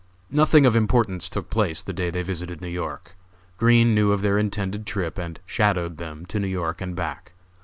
Nothing of importance took place the day they visited New York. Green knew of their intended trip and "shadowed" them to New York and back.